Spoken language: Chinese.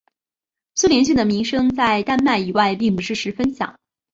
苏连逊的名声在丹麦以外并不是十分响。